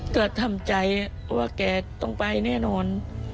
เกิดทำใจว่าแกต้องไปแน่นอน